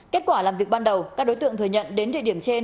kết quả làm việc ban đầu các đối tượng thừa nhận đến thời điểm trên